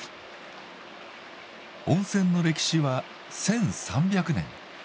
温泉の歴史は１，３００年。